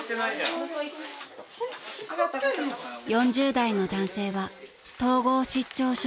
［４０代の男性は統合失調症］